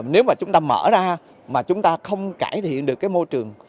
nếu mà chúng ta mở ra mà chúng ta không cải thiện được cái môi trường